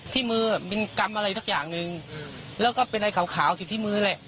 ที่มือเป็นกรรมอะไรสักอย่างหนึ่งแล้วก็เป็นอะไรขาวขาวอยู่ที่มือแหละ